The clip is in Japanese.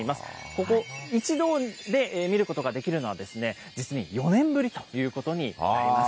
ここ、一堂で見ることができるのは実に４年ぶりということになります。